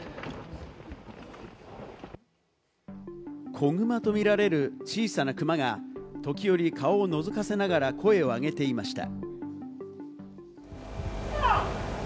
子グマとみられる小さなクマが時折、顔をのぞかせながら声をあげていました。